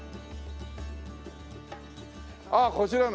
ああこちらの。